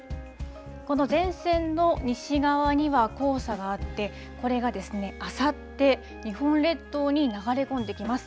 この前線の西側には黄砂があって、これがあさって、日本列島に流れ込んできます。